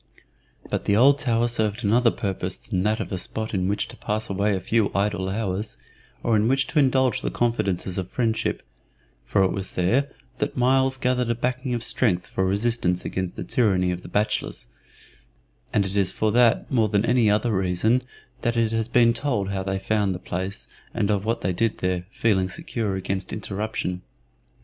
But the old tower served another purpose than that of a spot in which to pass away a few idle hours, or in which to indulge the confidences of friendship, for it was there that Myles gathered a backing of strength for resistance against the tyranny of the bachelors, and it is for that more than for any other reason that it has been told how they found the place and of what they did there, feeling secure against interruption.